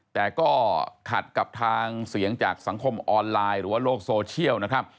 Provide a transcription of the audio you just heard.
แต่ก็ขัดกับทางเสียงจากสังคมออนไลน์หรือว่าโลกโซเชียลนะครับ